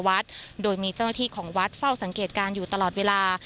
วัดโดยมีเจ้าหน้าที่ของวัดเฝ้าสังเกตการณ์อยู่ตลอดเวลา